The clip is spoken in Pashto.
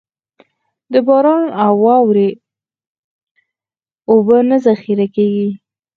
د باران او واورې اوبه نه ذخېره کېږي.